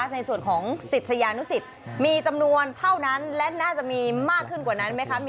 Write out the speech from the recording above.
ในส่วนของศิษยานุสิตมีจำนวนเท่านั้นและน่าจะมีมากขึ้นกว่านั้นไหมคะ